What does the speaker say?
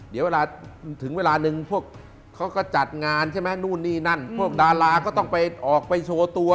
เดี๋ยวเวลาถึงเวลานึงพวกเขาก็จัดงานใช่ไหมนู่นนี่นั่นพวกดาราก็ต้องไปออกไปโชว์ตัว